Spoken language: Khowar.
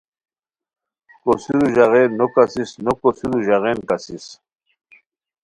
کوسیرو ژاغین نو کاسیس، نو کوسیرو ژاغین کاسیس